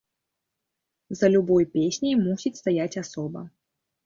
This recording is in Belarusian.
За любой песняй мусіць стаяць асоба.